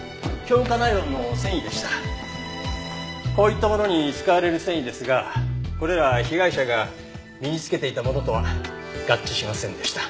こういったものに使われる繊維ですがこれら被害者が身につけていたものとは合致しませんでした。